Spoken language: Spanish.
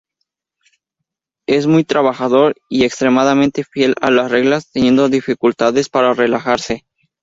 Es muy trabajador y extremadamente fiel a las reglas, teniendo dificultades para relajarse.